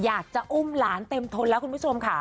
อยากจะอุ้มหลานเต็มทนแล้วคุณผู้ชมค่ะ